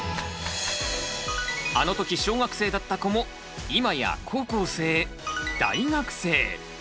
あのとき小学生だった子も今や高校生大学生。